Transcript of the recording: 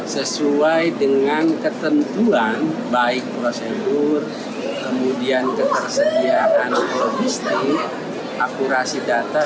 sesuai dengan ketentuan baik prosedur kemudian ketersediaan logistik akurasi data